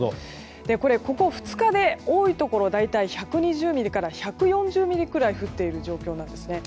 これ、ここ２日で多いところ大体１２０ミリから１４０ミリくらい降っている状況なんですね。